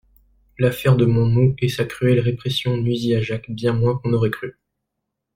L'affaire de Monmouth et sa cruelle répression nuisit à Jacques bien moins qu'on n'aurait cru.